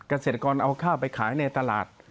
เกษตรกรเอาข้าวไปขายในตลาด